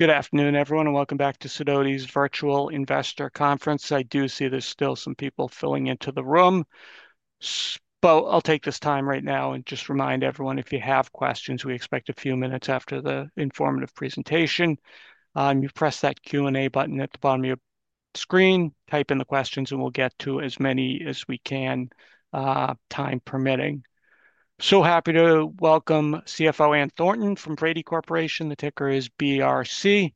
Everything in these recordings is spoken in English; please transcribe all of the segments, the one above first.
Good afternoon, everyone, and welcome back to Sudodi's virtual investor conference. I do see there are still some people filling into the room, but I will take this time right now and just remind everyone, if you have questions, we expect a few minutes after the informative presentation. You press that Q&A button at the bottom of your screen, type in the questions, and we will get to as many as we can, time permitting. Happy to welcome CFO Ann Thornton from Brady Corporation. The ticker is BRC.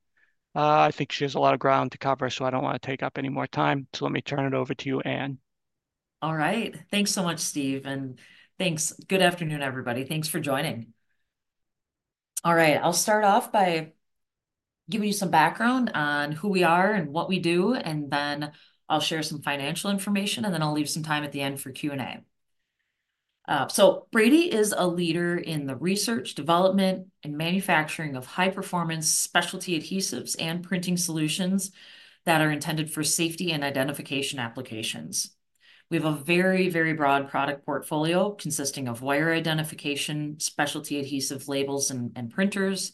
I think she has a lot of ground to cover, so I do not want to take up any more time. Let me turn it over to you, Ann. All right. Thanks so much, Steve. And thanks. Good afternoon, everybody. Thanks for joining. All right. I'll start off by giving you some background on who we are and what we do, and then I'll share some financial information, and then I'll leave some time at the end for Q&A. Brady is a leader in the research, development, and manufacturing of high-performance specialty adhesives and printing solutions that are intended for safety and identification applications. We have a very, very broad product portfolio consisting of wire identification, specialty adhesive labels and printers,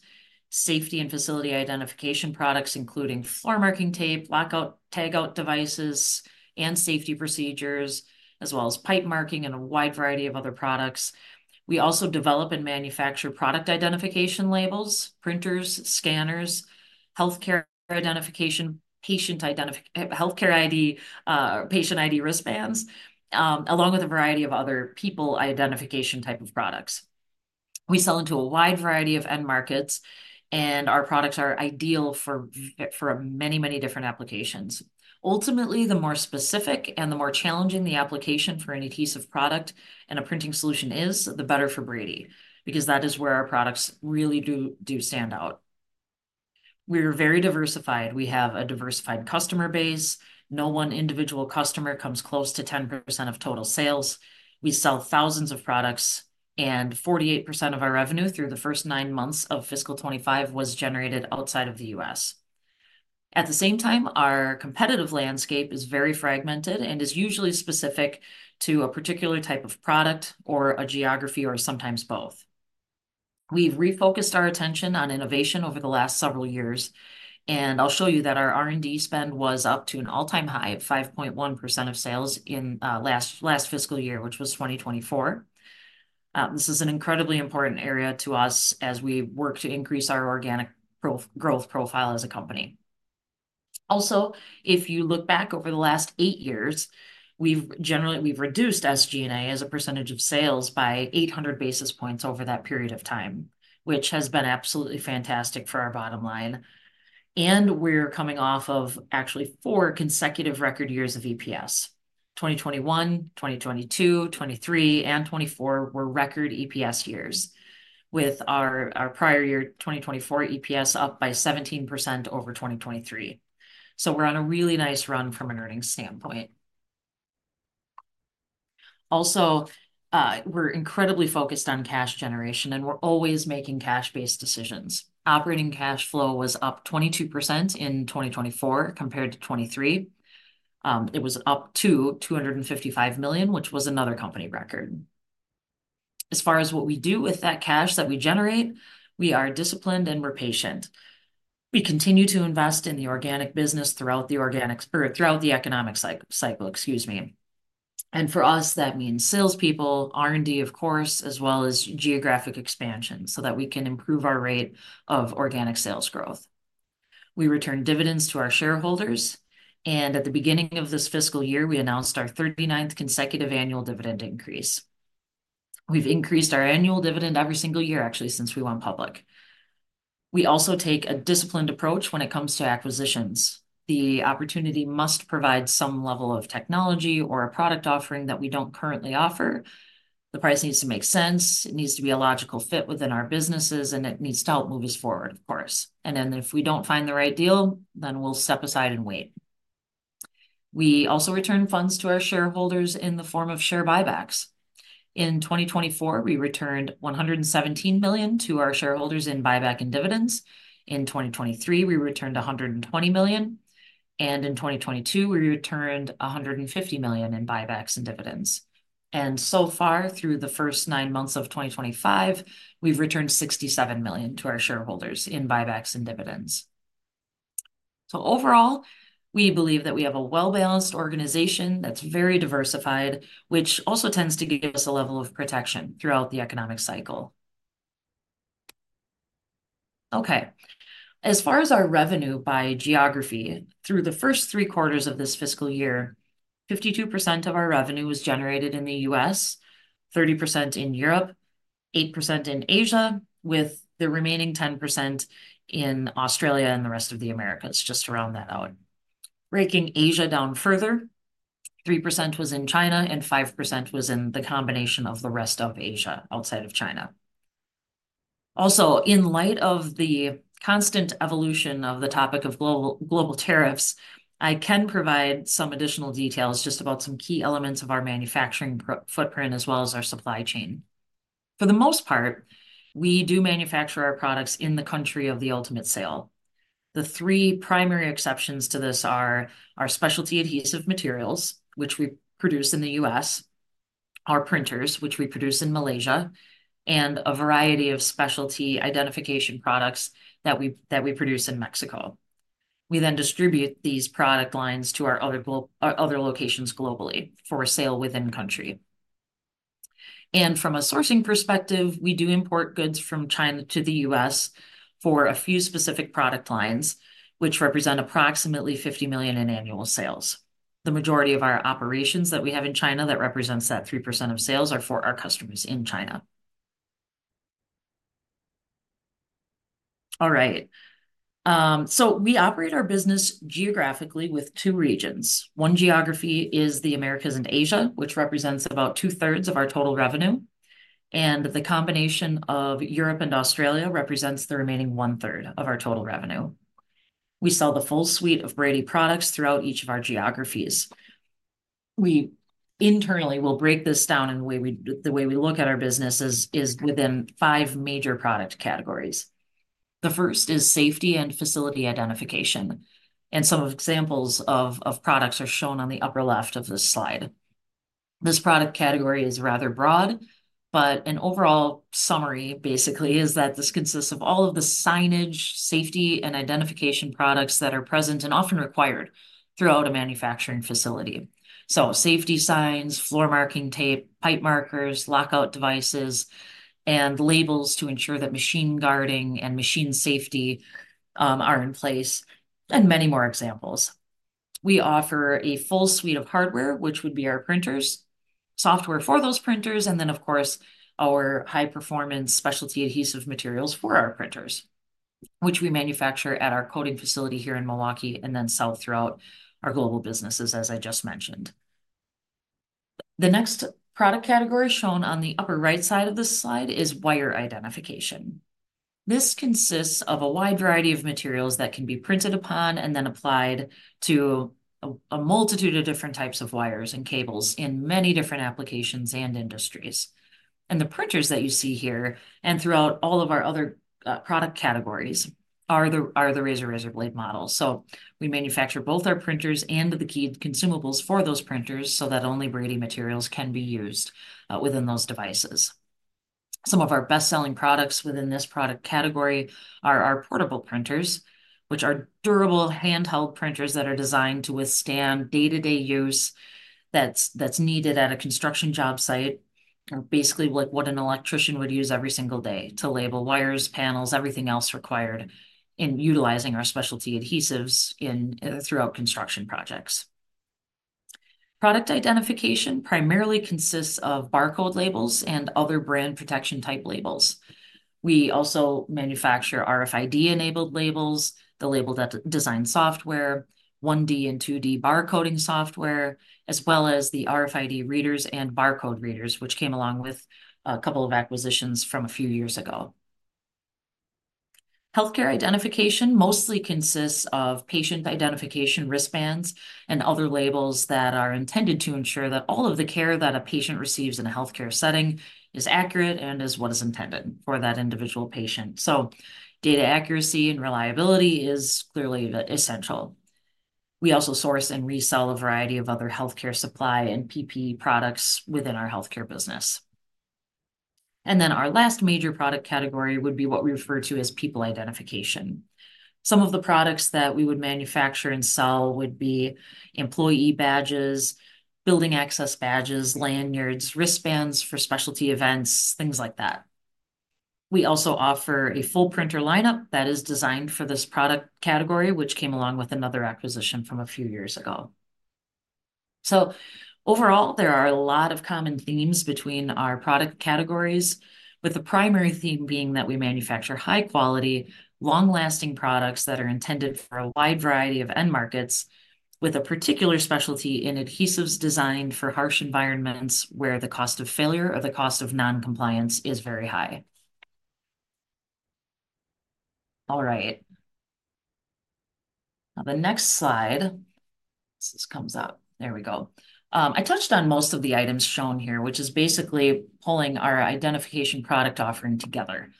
safety and facility identification products, including floor marking tape, lockout/tagout devices, and safety procedures, as well as pipe marking and a wide variety of other products. We also develop and manufacture product identification labels, printers, scanners, healthcare identification, patient ID, patient ID wristbands, along with a variety of other people identification type of products. We sell into a wide variety of end markets, and our products are ideal for many, many different applications. Ultimately, the more specific and the more challenging the application for an adhesive product and a printing solution is, the better for Brady, because that is where our products really do stand out. We're very diversified. We have a diversified customer base. No one individual customer comes close to 10% of total sales. We sell thousands of products, and 48% of our revenue through the first nine months of fiscal 2025 was generated outside of the U.S. At the same time, our competitive landscape is very fragmented and is usually specific to a particular type of product or a geography or sometimes both. We've refocused our attention on innovation over the last several years, and I'll show you that our R&D spend was up to an all-time high of 5.1% of sales in last fiscal year, which was 2024. This is an incredibly important area to us as we work to increase our organic growth profile as a company. Also, if you look back over the last eight years, we've generally reduced SG&A as a percentage of sales by 800 basis points over that period of time, which has been absolutely fantastic for our bottom line. We're coming off of actually four consecutive record years of EPS. 2021, 2022, 2023, and 2024 were record EPS years, with our prior year 2024 EPS up by 17% over 2023. We're on a really nice run from an earnings standpoint. Also, we're incredibly focused on cash generation, and we're always making cash-based decisions. Operating cash flow was up 22% in 2024 compared to 2023. It was up to $255 million, which was another company record. As far as what we do with that cash that we generate, we are disciplined and we're patient. We continue to invest in the organic business throughout the economic cycle, excuse me. For us, that means salespeople, R&D, of course, as well as geographic expansion so that we can improve our rate of organic sales growth. We return dividends to our shareholders. At the beginning of this fiscal year, we announced our 39th consecutive annual dividend increase. We've increased our annual dividend every single year, actually, since we went public. We also take a disciplined approach when it comes to acquisitions. The opportunity must provide some level of technology or a product offering that we don't currently offer. The price needs to make sense. It needs to be a logical fit within our businesses, and it needs to help move us forward, of course. If we do not find the right deal, then we will step aside and wait. We also return funds to our shareholders in the form of share buybacks. In 2024, we returned $117 million to our shareholders in buyback and dividends. In 2023, we returned $120 million. In 2022, we returned $150 million in buybacks and dividends. Through the first nine months of 2025, we have returned $67 million to our shareholders in buybacks and dividends. Overall, we believe that we have a well-balanced organization that is very diversified, which also tends to give us a level of protection throughout the economic cycle. Okay. As far as our revenue by geography, through the first three quarters of this fiscal year, 52% of our revenue was generated in the U.S., 30% in Europe, 8% in Asia, with the remaining 10% in Australia and the rest of the Americas, just to round that out. Breaking Asia down further, 3% was in China and 5% was in the combination of the rest of Asia outside of China. Also, in light of the constant evolution of the topic of global tariffs, I can provide some additional details just about some key elements of our manufacturing footprint as well as our supply chain. For the most part, we do manufacture our products in the country of the ultimate sale. The three primary exceptions to this are our specialty adhesive materials, which we produce in the U.S., our printers, which we produce in Malaysia, and a variety of specialty identification products that we produce in Mexico. We then distribute these product lines to our other locations globally for sale within the country. From a sourcing perspective, we do import goods from China to the U.S. for a few specific product lines, which represent approximately $50 million in annual sales. The majority of our operations that we have in China that represents that 3% of sales are for our customers in China. We operate our business geographically with two regions. One geography is the Americas and Asia, which represents about two-thirds of our total revenue. The combination of Europe and Australia represents the remaining one-third of our total revenue. We sell the full suite of Brady products throughout each of our geographies. We internally will break this down in the way we look at our business is within five major product categories. The first is safety and facility identification. Some examples of products are shown on the upper left of this slide. This product category is rather broad, but an overall summary basically is that this consists of all of the signage, safety, and identification products that are present and often required throughout a manufacturing facility. Safety signs, floor marking tape, pipe markers, lockout devices, and labels to ensure that machine guarding and machine safety are in place, and many more examples. We offer a full suite of hardware, which would be our printers, software for those printers, and then, of course, our high-performance specialty adhesive materials for our printers, which we manufacture at our coding facility here in Milwaukee and then sell throughout our global businesses, as I just mentioned. The next product category shown on the upper right side of this slide is wire identification. This consists of a wide variety of materials that can be printed upon and then applied to a multitude of different types of wires and cables in many different applications and industries. The printers that you see here and throughout all of our other product categories are the Razor Blade models. We manufacture both our printers and the key consumables for those printers so that only Brady materials can be used within those devices. Some of our best-selling products within this product category are our portable printers, which are durable handheld printers that are designed to withstand day-to-day use that's needed at a construction job site, basically like what an electrician would use every single day to label wires, panels, everything else required in utilizing our specialty adhesives throughout construction projects. Product identification primarily consists of barcode labels and other brand protection type labels. We also manufacture RFID-enabled labels, the label design software, 1D and 2D barcoding software, as well as the RFID readers and barcode readers, which came along with a couple of acquisitions from a few years ago. Healthcare identification mostly consists of patient identification wristbands and other labels that are intended to ensure that all of the care that a patient receives in a healthcare setting is accurate and is what is intended for that individual patient. Data accuracy and reliability is clearly essential. We also source and resell a variety of other healthcare supply and PPE products within our healthcare business. Our last major product category would be what we refer to as people identification. Some of the products that we would manufacture and sell would be employee badges, building access badges, lanyards, wristbands for specialty events, things like that. We also offer a full printer lineup that is designed for this product category, which came along with another acquisition from a few years ago. Overall, there are a lot of common themes between our product categories, with the primary theme being that we manufacture high-quality, long-lasting products that are intended for a wide variety of end markets, with a particular specialty in adhesives designed for harsh environments where the cost of failure or the cost of non-compliance is very high. All right. Now, the next slide. This comes up. There we go. I touched on most of the items shown here, which is basically pulling our identification product offering together.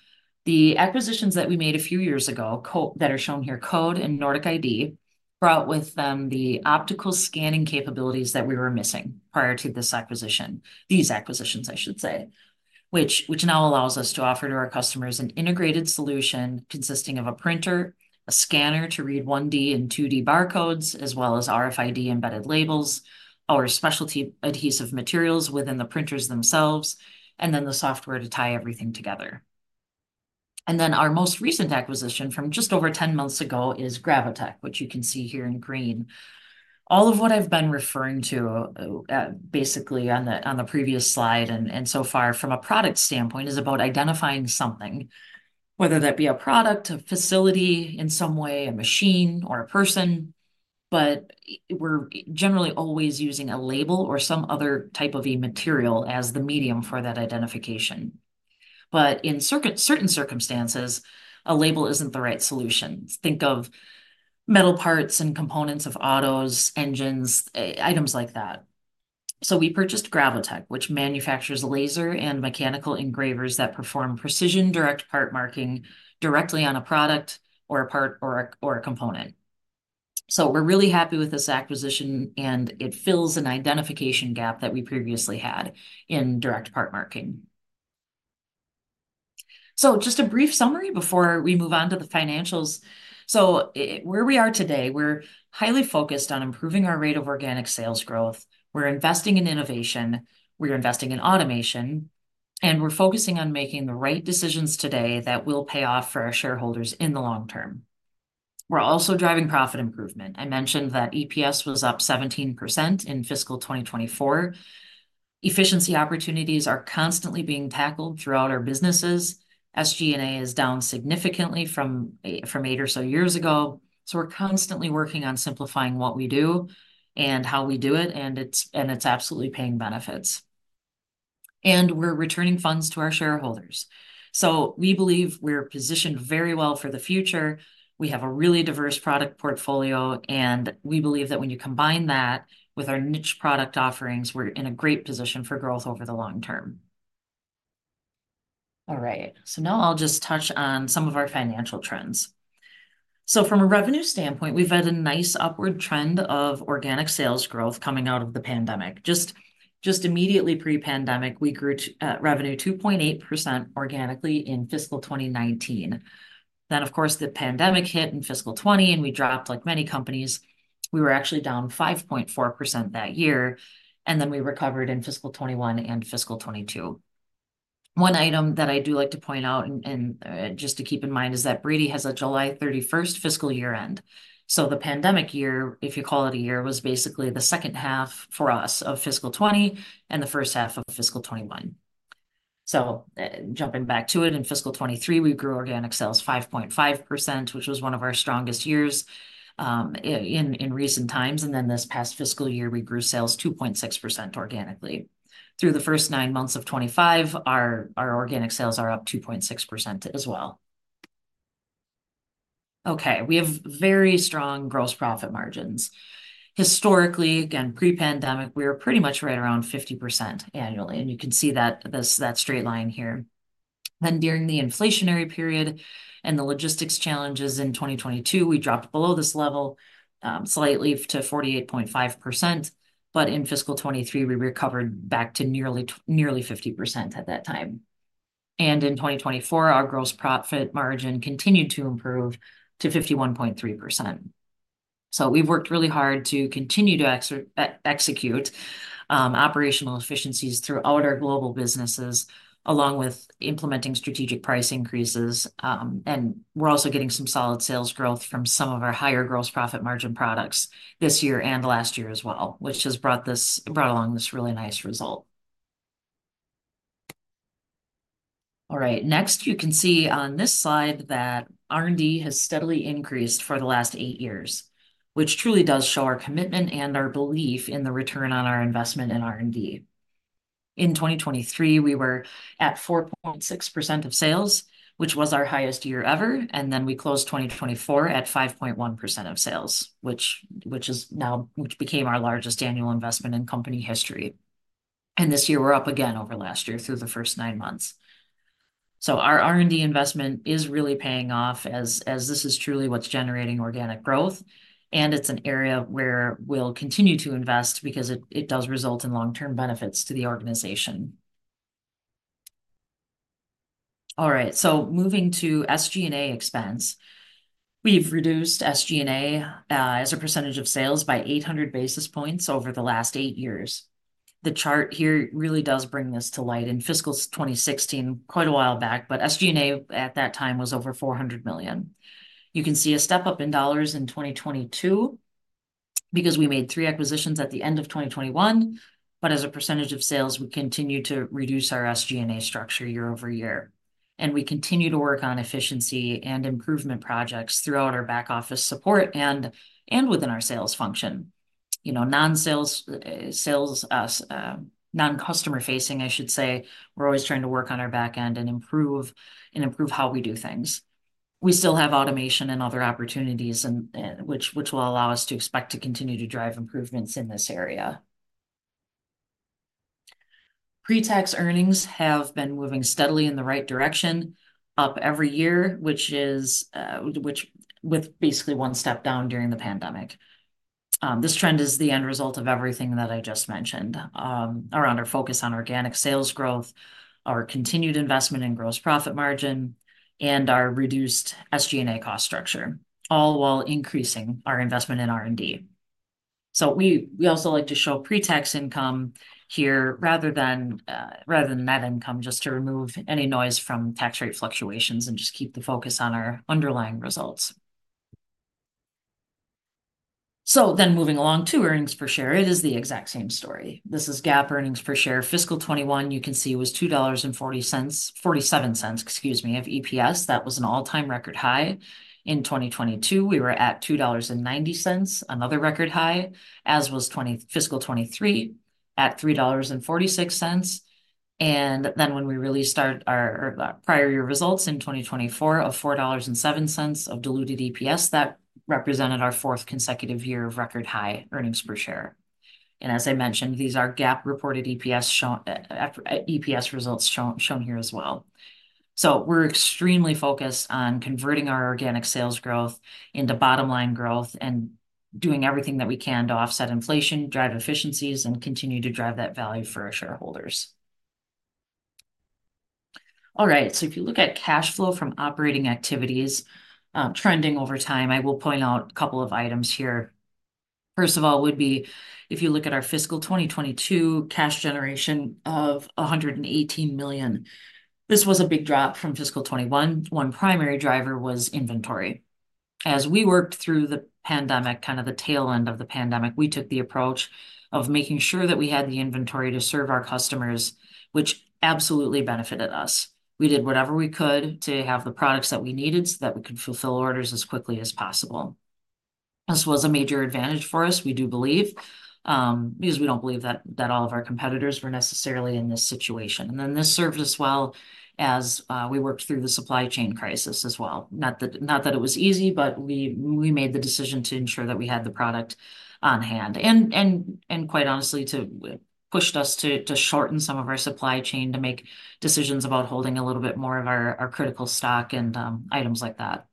The acquisitions that we made a few years ago that are shown here, Code and Nordic ID, brought with them the optical scanning capabilities that we were missing prior to this acquisition, these acquisitions, I should say, which now allows us to offer to our customers an integrated solution consisting of a printer, a scanner to read 1D and 2D barcodes, as well as RFID embedded labels, our specialty adhesive materials within the printers themselves, and then the software to tie everything together. Our most recent acquisition from just over 10 months ago is Gravotech, which you can see here in green. All of what I've been referring to basically on the previous slide and so far from a product standpoint is about identifying something, whether that be a product, a facility in some way, a machine, or a person, but we're generally always using a label or some other type of a material as the medium for that identification. In certain circumstances, a label isn't the right solution. Think of metal parts and components of autos, engines, items like that. We purchased Gravotech, which manufactures laser and mechanical engravers that perform precision direct part marking directly on a product or a part or a component. We're really happy with this acquisition, and it fills an identification gap that we previously had in direct part marking. Just a brief summary before we move on to the financials. Where we are today, we're highly focused on improving our rate of organic sales growth. We're investing in innovation. We're investing in automation. We're focusing on making the right decisions today that will pay off for our shareholders in the long term. We're also driving profit improvement. I mentioned that EPS was up 17% in fiscal 2024. Efficiency opportunities are constantly being tackled throughout our businesses. SG&A is down significantly from eight or so years ago. We're constantly working on simplifying what we do and how we do it, and it's absolutely paying benefits. We're returning funds to our shareholders. We believe we're positioned very well for the future. We have a really diverse product portfolio, and we believe that when you combine that with our niche product offerings, we're in a great position for growth over the long term. All right. Now I'll just touch on some of our financial trends. From a revenue standpoint, we've had a nice upward trend of organic sales growth coming out of the pandemic. Just immediately pre-pandemic, we grew revenue 2.8% organically in fiscal 2019. Then, of course, the pandemic hit in fiscal 2020, and we dropped like many companies. We were actually down 5.4% that year, and then we recovered in fiscal 2021 and fiscal 2022. One item that I do like to point out, and just to keep in mind, is that Brady has a July 31 fiscal year-end. The pandemic year, if you call it a year, was basically the second half for us of fiscal 2020 and the first half of fiscal 2021. Jumping back to it, in fiscal 2023, we grew organic sales 5.5%, which was one of our strongest years in recent times. This past fiscal year, we grew sales 2.6% organically. Through the first nine months of 2025, our organic sales are up 2.6% as well. We have very strong gross profit margins. Historically, again, pre-pandemic, we were pretty much right around 50% annually. You can see that straight line here. During the inflationary period and the logistics challenges in 2022, we dropped below this level slightly to 48.5%. In fiscal 2023, we recovered back to nearly 50% at that time. In 2024, our gross profit margin continued to improve to 51.3%. We have worked really hard to continue to execute operational efficiencies throughout our global businesses, along with implementing strategic price increases. We are also getting some solid sales growth from some of our higher gross profit margin products this year and last year as well, which has brought along this really nice result. All right. Next, you can see on this slide that R&D has steadily increased for the last eight years, which truly does show our commitment and our belief in the return on our investment in R&D. In 2023, we were at 4.6% of sales, which was our highest year ever. We closed 2024 at 5.1% of sales, which became our largest annual investment in company history. This year, we're up again over last year through the first nine months. Our R&D investment is really paying off as this is truly what's generating organic growth. It's an area where we'll continue to invest because it does result in long-term benefits to the organization. All right. Moving to SG&A expense, we've reduced SG&A as a percentage of sales by 800 basis points over the last eight years. The chart here really does bring this to light in fiscal 2016, quite a while back, but SG&A at that time was over $400 million. You can see a step up in dollars in 2022 because we made three acquisitions at the end of 2021. As a percentage of sales, we continue to reduce our SG&A structure year over year. We continue to work on efficiency and improvement projects throughout our back office support and within our sales function. Non-customer-facing, I should say, we're always trying to work on our back end and improve how we do things. We still have automation and other opportunities, which will allow us to expect to continue to drive improvements in this area. Pre-tax earnings have been moving steadily in the right direction, up every year, which is with basically one step down during the pandemic. This trend is the end result of everything that I just mentioned around our focus on organic sales growth, our continued investment in gross profit margin, and our reduced SG&A cost structure, all while increasing our investment in R&D. We also like to show pre-tax income here rather than net income, just to remove any noise from tax rate fluctuations and just keep the focus on our underlying results. Moving along to earnings per share, it is the exact same story. This is GAAP earnings per share. Fiscal 2021, you can see, was $2.47, excuse me, of EPS. That was an all-time record high. In 2022, we were at $2.90, another record high, as was fiscal 2023 at $3.46. When we released our prior year results in 2024 of $4.07 of diluted EPS, that represented our fourth consecutive year of record high earnings per share. As I mentioned, these are GAAP reported EPS results shown here as well. We are extremely focused on converting our organic sales growth into bottom-line growth and doing everything that we can to offset inflation, drive efficiencies, and continue to drive that value for our shareholders. All right. If you look at cash flow from operating activities trending over time, I will point out a couple of items here. First of all, if you look at our fiscal 2022 cash generation of $118 million, this was a big drop from fiscal 2021. One primary driver was inventory. As we worked through the pandemic, kind of the tail end of the pandemic, we took the approach of making sure that we had the inventory to serve our customers, which absolutely benefited us. We did whatever we could to have the products that we needed so that we could fulfill orders as quickly as possible. This was a major advantage for us, we do believe, because we do not believe that all of our competitors were necessarily in this situation. This served us well as we worked through the supply chain crisis as well. Not that it was easy, but we made the decision to ensure that we had the product on hand. Quite honestly, it pushed us to shorten some of our supply chain to make decisions about holding a little bit more of our critical stock and items like that.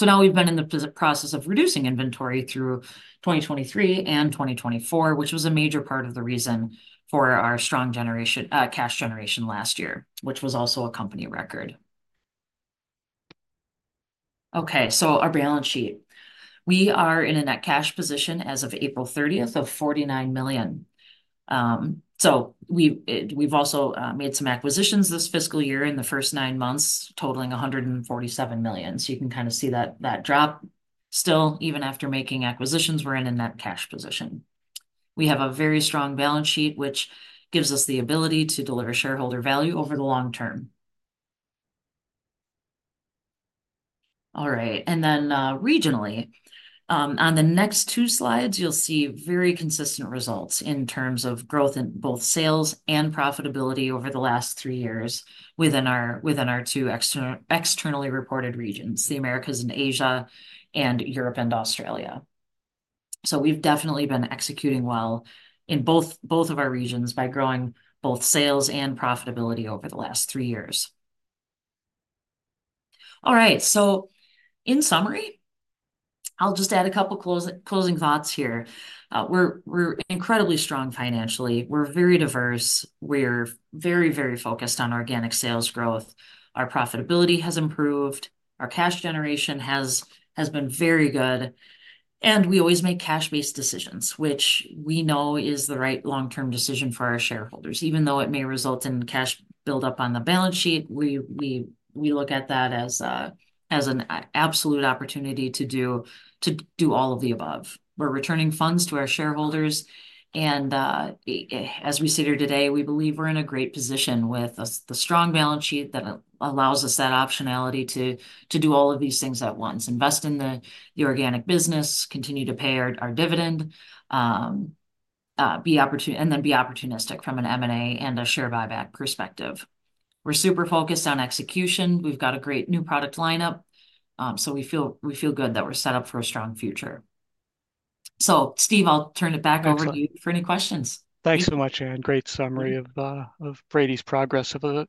Now we have been in the process of reducing inventory through 2023 and 2024, which was a major part of the reason for our strong cash generation last year, which was also a company record. Okay. Our balance sheet. We are in a net cash position as of April 30 of $49 million. We've also made some acquisitions this fiscal year in the first nine months, totaling $147 million. You can kind of see that drop. Still, even after making acquisitions, we're in a net cash position. We have a very strong balance sheet, which gives us the ability to deliver shareholder value over the long term. All right. Regionally, on the next two slides, you'll see very consistent results in terms of growth in both sales and profitability over the last three years within our two externally reported regions, the Americas and Asia and Europe and Australia. We've definitely been executing well in both of our regions by growing both sales and profitability over the last three years. All right. In summary, I'll just add a couple of closing thoughts here. We're incredibly strong financially. We're very diverse. We're very, very focused on organic sales growth. Our profitability has improved. Our cash generation has been very good. We always make cash-based decisions, which we know is the right long-term decision for our shareholders. Even though it may result in cash buildup on the balance sheet, we look at that as an absolute opportunity to do all of the above. We're returning funds to our shareholders. As we sit here today, we believe we're in a great position with the strong balance sheet that allows us that optionality to do all of these things at once, invest in the organic business, continue to pay our dividend, and then be opportunistic from an M&A and a share buyback perspective. We're super focused on execution. We've got a great new product lineup. So we feel good that we're set up for a strong future. Steve, I'll turn it back over to you for any questions. Thanks so much, Ann. Great summary of Brady's progress over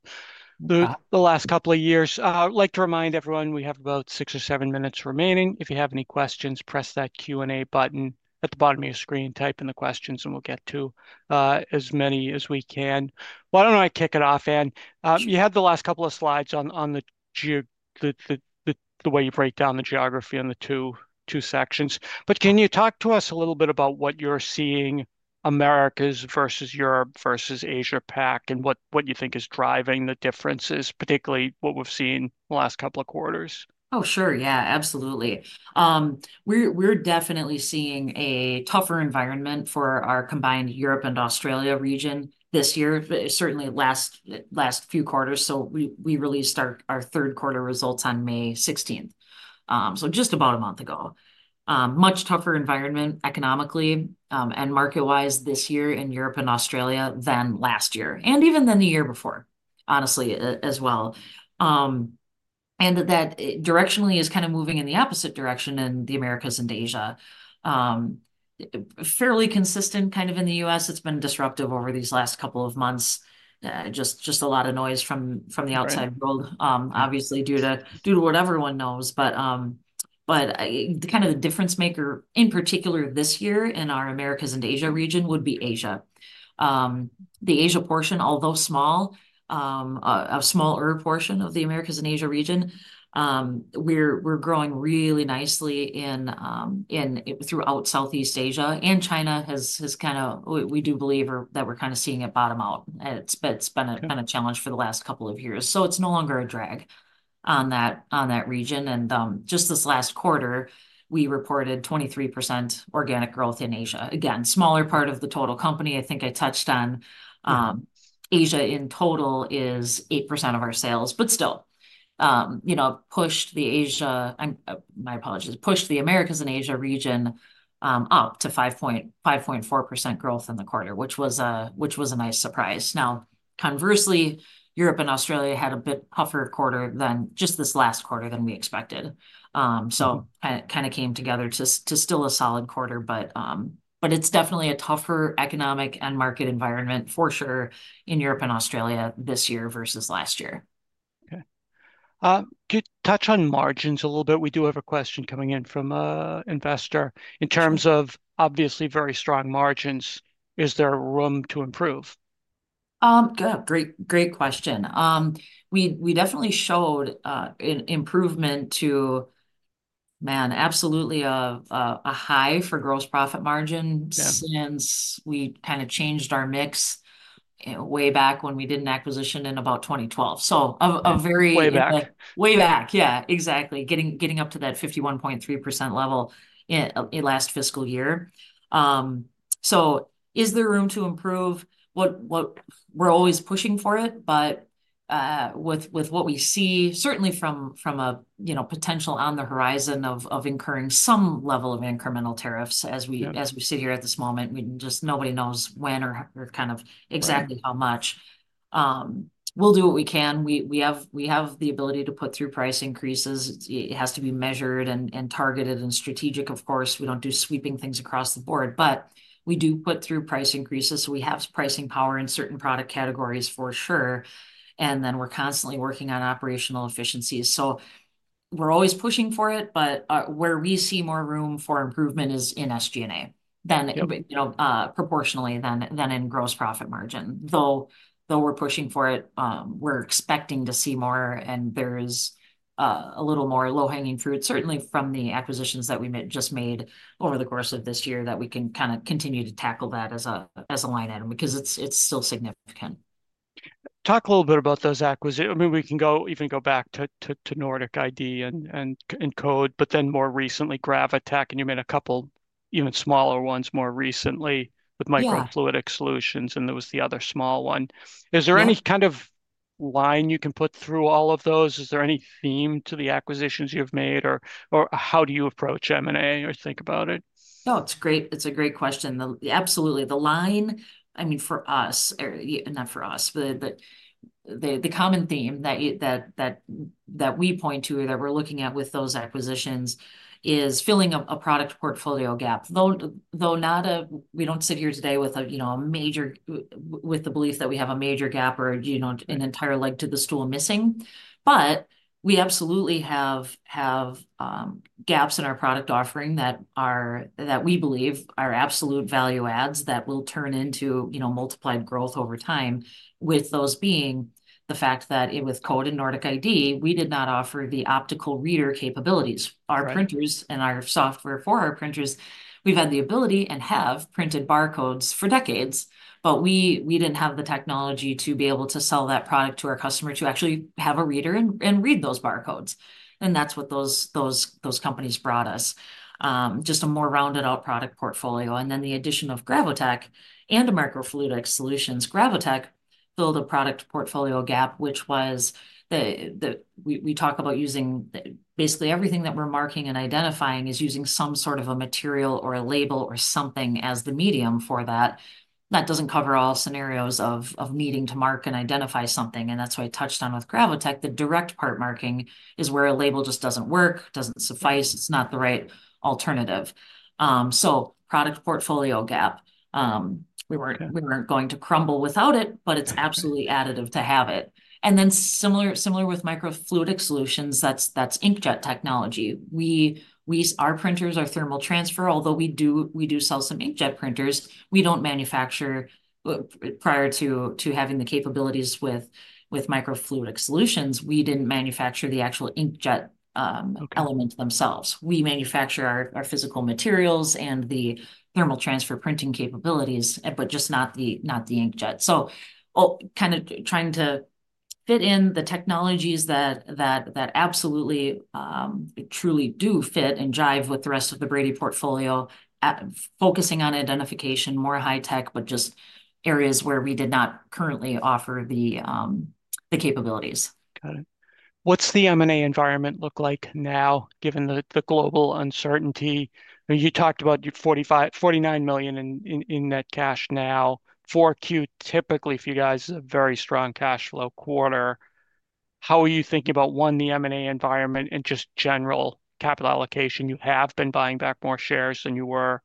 the last couple of years. I'd like to remind everyone, we have about six or seven minutes remaining. If you have any questions, press that Q&A button at the bottom of your screen, type in the questions, and we'll get to as many as we can. Why don't I kick it off, Ann? You had the last couple of slides on the way you break down the geography on the two sections. Can you talk to us a little bit about what you're seeing Americas versus Europe versus Asia-Pac and what you think is driving the differences, particularly what we've seen in the last couple of quarters? Oh, sure. Yeah, absolutely. We're definitely seeing a tougher environment for our combined Europe and Australia region this year, certainly last few quarters. We released our third quarter results on May 16th, so just about a month ago. Much tougher environment economically and market-wise this year in Europe and Australia than last year, and even than the year before, honestly, as well. That directionally is kind of moving in the opposite direction in the Americas and Asia. Fairly consistent kind of in the U.S. It's been disruptive over these last couple of months. Just a lot of noise from the outside world, obviously, due to what everyone knows. Kind of the difference maker in particular this year in our Americas and Asia region would be Asia. The Asia portion, although small, a smaller portion of the Americas and Asia region, we're growing really nicely throughout Southeast Asia. China has kind of, we do believe that we're kind of seeing it bottom out. It's been a kind of challenge for the last couple of years. It is no longer a drag on that region. Just this last quarter, we reported 23% organic growth in Asia. Again, smaller part of the total company. I think I touched on Asia in total is 8% of our sales. Still, pushed the Americas and Asia region up to 5.4% growth in the quarter, which was a nice surprise. Conversely, Europe and Australia had a bit tougher quarter just this last quarter than we expected. It kind of came together to still a solid quarter. It is definitely a tougher economic and market environment for sure in Europe and Australia this year versus last year. Okay. Could you touch on margins a little bit? We do have a question coming in from an investor. In terms of obviously very strong margins, is there room to improve? Good. Great question. We definitely showed an improvement to, man, absolutely a high for gross profit margin since we kind of changed our mix way back when we did an acquisition in about 2012. Way back. Way back. Yeah, exactly. Getting up to that 51.3% level last fiscal year. Is there room to improve? We're always pushing for it. With what we see, certainly from a potential on the horizon of incurring some level of incremental tariffs as we sit here at this moment, nobody knows when or kind of exactly how much. We'll do what we can. We have the ability to put through price increases. It has to be measured and targeted and strategic, of course. We do not do sweeping things across the board. We do put through price increases. We have pricing power in certain product categories for sure. We are constantly working on operational efficiencies. We are always pushing for it. Where we see more room for improvement is in SG&A proportionally than in gross profit margin. Though we are pushing for it, we are expecting to see more. There is a little more low-hanging fruit, certainly from the acquisitions that we just made over the course of this year that we can kind of continue to tackle that as a line item because it is still significant. Talk a little bit about those acquisitions. I mean, we can even go back to Nordic ID and Code, but then more recently, Gravotech. You made a couple even smaller ones more recently with Microfluidic Solutions, and there was the other small one. Is there any kind of line you can put through all of those? Is there any theme to the acquisitions you've made, or how do you approach M&A or think about it? Oh, it's a great question. Absolutely. The line, I mean, for us, not for us, but the common theme that we point to or that we're looking at with those acquisitions is filling a product portfolio gap. Though we do not sit here today with a major belief that we have a major gap or an entire leg to the stool missing, we absolutely have gaps in our product offering that we believe are absolute value adds that will turn into multiplied growth over time, with those being the fact that with Code and Nordic ID, we did not offer the optical reader capabilities. Our printers and our software for our printers, we have had the ability and have printed barcodes for decades, but we did not have the technology to be able to sell that product to our customer to actually have a reader and read those barcodes. That is what those companies brought us. Just a more rounded-out product portfolio. The addition of Gravotech and Microfluidic Solutions, Gravotech filled a product portfolio gap, which was we talk about using basically everything that we're marking and identifying is using some sort of a material or a label or something as the medium for that. That doesn't cover all scenarios of needing to mark and identify something. That is why I touched on with Gravotech, the direct part marking is where a label just doesn't work, doesn't suffice, it's not the right alternative. So product portfolio gap. We weren't going to crumble without it, but it's absolutely additive to have it. Similar with Microfluidic Solutions, that's inkjet technology. Our printers are thermal transfer. Although we do sell some inkjet printers, we don't manufacture prior to having the capabilities with Microfluidic Solutions. We didn't manufacture the actual inkjet element themselves. We manufacture our physical materials and the thermal transfer printing capabilities, but just not the inkjet. Kind of trying to fit in the technologies that absolutely truly do fit and jive with the rest of the Brady portfolio, focusing on identification, more high-tech, but just areas where we did not currently offer the capabilities. Got it. What's the M&A environment look like now, given the global uncertainty? You talked about $49 million in net cash now. Q4 typically for you guys, a very strong cash flow quarter. How are you thinking about, one, the M&A environment and just general capital allocation? You have been buying back more shares than you were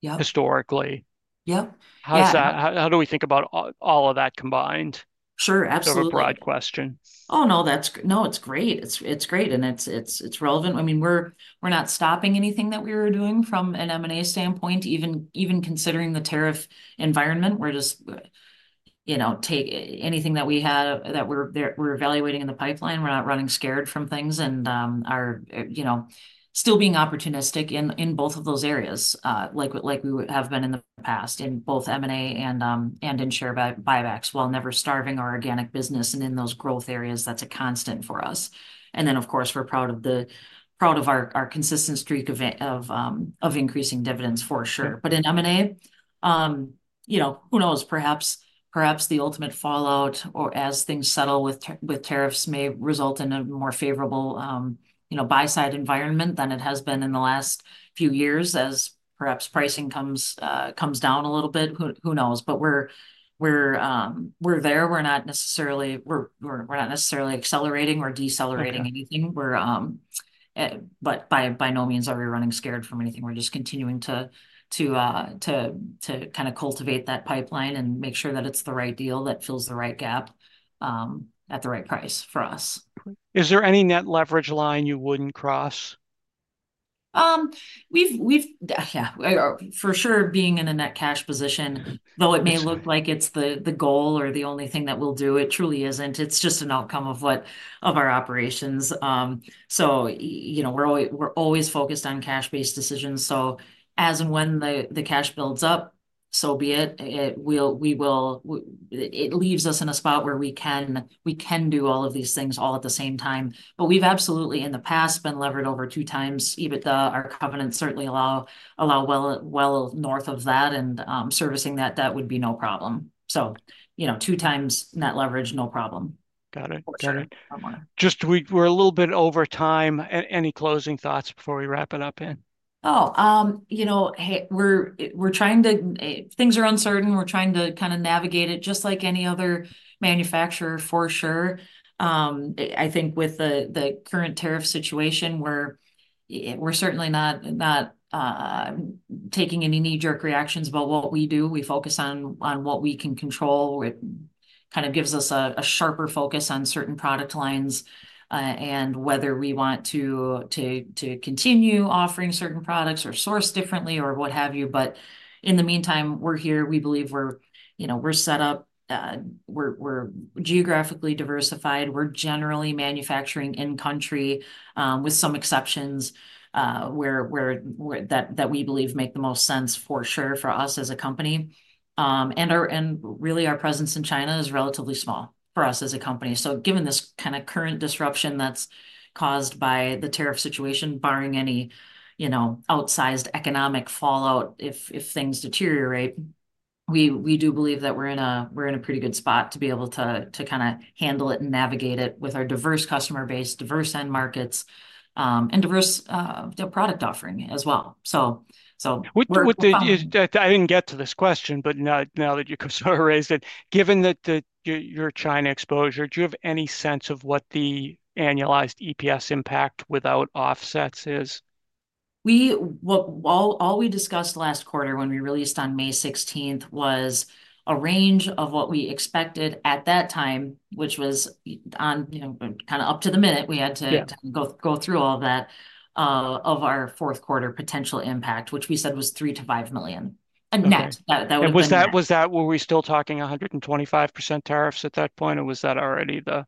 historically. Yep. How do we think about all of that combined? Sure. Absolutely. That's a broad question. Oh, no. No, it's great. It's great. And it's relevant. I mean, we're not stopping anything that we were doing from an M&A standpoint, even considering the tariff environment. We're just taking anything that we have that we're evaluating in the pipeline. We're not running scared from things and still being opportunistic in both of those areas like we have been in the past, in both M&A and in share buybacks while never starving our organic business. In those growth areas, that's a constant for us. Of course, we're proud of our consistent streak of increasing dividends for sure. In M&A, who knows? Perhaps the ultimate fallout or as things settle with tariffs may result in a more favorable buy-side environment than it has been in the last few years as perhaps pricing comes down a little bit. Who knows? We're there. We're not necessarily accelerating or decelerating anything. By no means are we running scared from anything. We're just continuing to kind of cultivate that pipeline and make sure that it's the right deal that fills the right gap at the right price for us. Is there any net leverage line you wouldn't cross? Yeah. For sure, being in a net cash position, though it may look like it's the goal or the only thing that we'll do, it truly isn't. It's just an outcome of our operations. We're always focused on cash-based decisions. As and when the cash builds up, so be it. It leaves us in a spot where we can do all of these things all at the same time. We've absolutely in the past been levered over two times. Our covenants certainly allow well north of that. Servicing that, that would be no problem. Two times net leverage, no problem. Got it. Got it. Just, we're a little bit over time. Any closing thoughts before we wrap it up here? Oh, we're trying to—things are uncertain. We're trying to kind of navigate it just like any other manufacturer for sure. I think with the current tariff situation, we're certainly not taking any knee-jerk reactions about what we do. We focus on what we can control. It kind of gives us a sharper focus on certain product lines and whether we want to continue offering certain products or source differently or what have you. In the meantime, we're here. We believe we're set up. We're geographically diversified. We're generally manufacturing in-country with some exceptions that we believe make the most sense for sure for us as a company. Really, our presence in China is relatively small for us as a company. Given this kind of current disruption that's caused by the tariff situation, barring any outsized economic fallout if things deteriorate, we do believe that we're in a pretty good spot to be able to kind of handle it and navigate it with our diverse customer base, diverse end markets, and diverse product offering as well. I didn't get to this question, but now that you sort of raised it, given that your China exposure, do you have any sense of what the annualized EPS impact without offsets is? All we discussed last quarter when we released on May 16 was a range of what we expected at that time, which was kind of up to the minute. We had to go through all that of our fourth quarter potential impact, which we said was $3 million-$5 million. That was— Was that where we're still talking 125% tariffs at that point, or was that already the—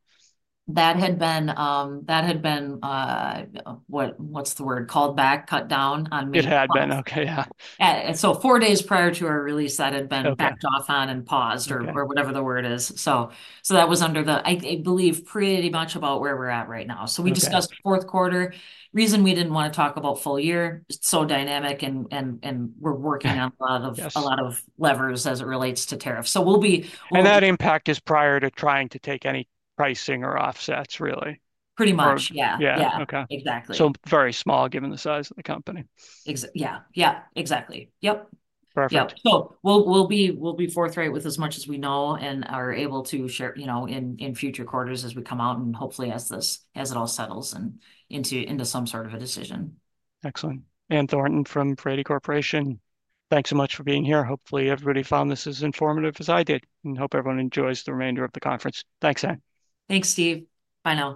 That had been—what's the word? Called back, cut down on— It had been. Okay. Yeah. Four days prior to our release, that had been backed off on and paused or whatever the word is. That was under the, I believe, pretty much about where we're at right now. We discussed fourth quarter. The reason we didn't want to talk about full year is it's so dynamic, and we're working on a lot of levers as it relates to tariffs. We'll be— And that impact is prior to trying to take any pricing or offsets, really? Pretty much. Yeah. Yeah. Exactly. Very small given the size of the company. Yeah. Yeah. Exactly. Yep. Perfect. We will be forthright with as much as we know and are able to share in future quarters as we come out and hopefully as it all settles into some sort of a decision. Excellent. Ann Thornton from Brady Corporation. Thanks so much for being here. Hopefully, everybody found this as informative as I did. Hope everyone enjoys the remainder of the conference. Thanks, Ann. Thanks, Steve. Bye now.